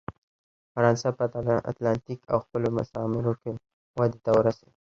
فرانسه په اتلانتیک او خپلو مستعمرو کې ودې ته ورسېده.